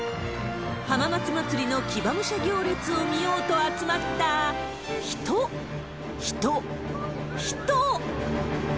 浜松まつりの騎馬武者行列を見ようと集まった人、人、人！